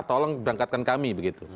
tolong berangkatkan kami